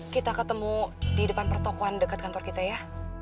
kita ketemu di depan pertokohan dekat kantor kita ya